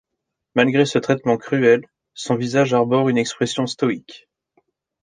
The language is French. Malgré ce traitement cruel, son visage arbore une expression stoïque.